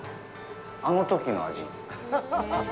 あのときの味。